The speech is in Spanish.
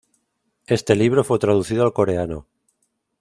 Este libro fue traducido al coreano.